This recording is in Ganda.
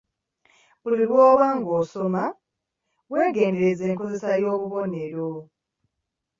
Buli lwoba ng’osoma, weegendereze enkozesa y’obubonero.